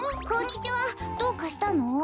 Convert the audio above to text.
こんにちはどうかしたの？